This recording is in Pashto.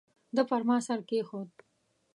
ده پر ما سر کېښود.